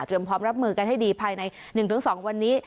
เตรียมความรับมือกันให้ดีภายในหนึ่งถึงสองวันนี้